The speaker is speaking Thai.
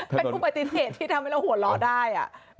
เป็นอุบัติเหตุที่ทำให้เราหัวเราะได้